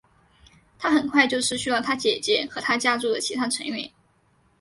他很快就失去了他姐姐和他家族的其他成员。